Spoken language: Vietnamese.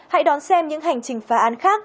hãy đón xem những hành trình phá án khác